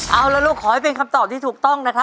เอาละลูกขอให้เป็นคำตอบที่ถูกต้องนะครับ